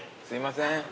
すいません。